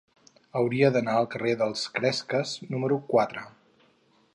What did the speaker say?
Hauria d'anar al carrer dels Cresques número quatre.